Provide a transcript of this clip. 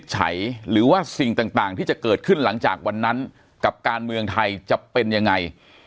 หรือว่าสิ่งต่างที่จะเกิดขึ้นหลังจากวันนั้นกับการเมืองไทยจะเป็นยังไง